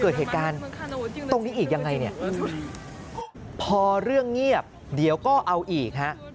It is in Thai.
เดี๋ยวก็เอาอีกฮะ